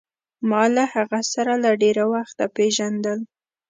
ما له هغه سره له ډېره وخته پېژندل.